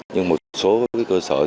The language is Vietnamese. nhưng một số cơ sở